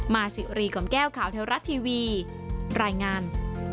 มาสิรีของแก้วข่าวแถวรัดทีวีรายงาน